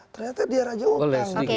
ternyata dia raja utang